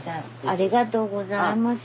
ありがとうございます。